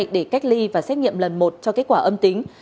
để cách ly và xét nghiệm lần một cho kết quả âm tính